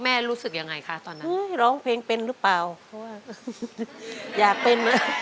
รู้สึกยังไงคะตอนนั้นร้องเพลงเป็นหรือเปล่าเพราะว่าอยากเป็น